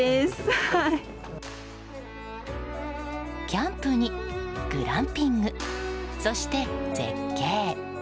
キャンプにグランピングそして、絶景。